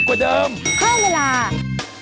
กลุ้มใจมาก